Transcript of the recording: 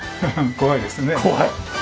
怖い！